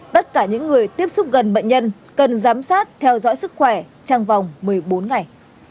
tất cả những người tiếp xúc gần bệnh nhân cần giám sát theo dõi sức khỏe trong vòng một mươi bốn ngày